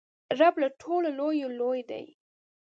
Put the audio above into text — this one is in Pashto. رب له ټولو لویو لوی دئ.